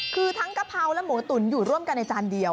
คือทั้งกะเพราและหมูตุ๋นอยู่ร่วมกันในจานเดียว